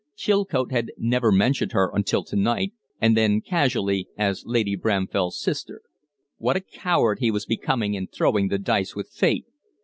Chilcote had never mentioned her until to night, and then casually as Lady Bramfell's sister. What a coward he was becoming in throwing the dice with Fate!